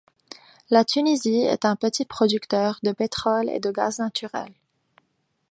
La Tunisie est un petit producteur de pétrole et de gaz naturel.